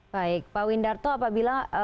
baik pak windarto apabila